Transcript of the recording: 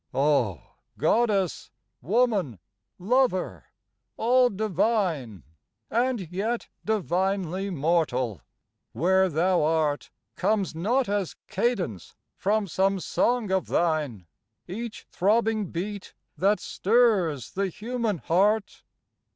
Oh! Goddess, woman, lover, all divine And yet divinely mortal, where thou art Comes not as cadence from some song of thine Each throbbing beat that stirs the human heart?